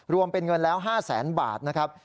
รวมเป็นเงินแล้ว๕แสนบาทนะครับ